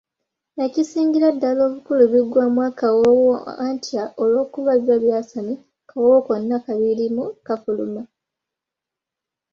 Ekisingira ddala obukulu biggwaamu akawoowo anti olw'okuba biba byasamye akawoowo konna akabirimu kafumuuka.